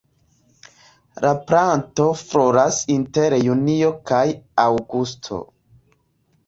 La planto floras inter junio kaj aŭgusto.